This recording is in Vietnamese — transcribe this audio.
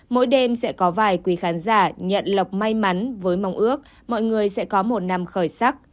mỗi đêm sẽ có vài quý khán giả nhận lộc may mắn với mong ước mọi người sẽ có một năm khởi sắc